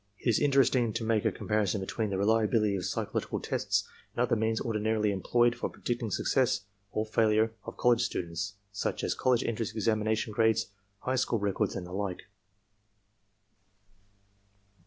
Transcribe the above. " It is interesting to make a comparison between the reliability of psychological tests and other means ordinarily employed for predicting success or failure of college students, such as college entrance examination grades, high school records and the like.